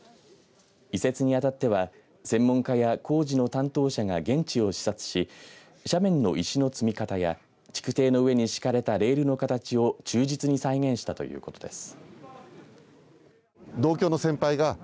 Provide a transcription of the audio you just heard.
移設にあたっては専門家や工事の担当者が現地を視察し斜面の石の積み方や築堤の上に敷かれたレールの形を忠実に再現したということです。